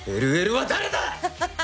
ＬＬは誰だ？